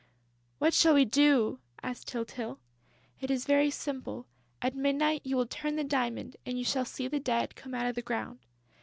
"What shall we do?" asked Tyltyl. "It is very simple: at midnight you will turn the diamond and you shall see the Dead come out of the ground."